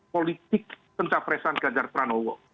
politik pencafresan ganjar pranowo